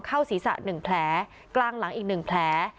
เข้าศีรษะหนึ่งแผลกลางหลังอีกหนึ่งแผล